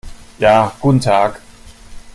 Ja, guten Tag!